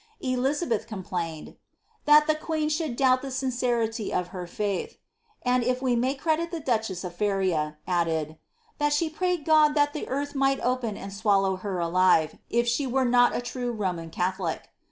Elizabeth complained, " that the queen should doubt the sincerity of her fiiith," and, if we may credit the duchess of Feria, added, ^^ That she prayed God that the earth might open and swallow her alive, if she wete not a tree Roman Catholic."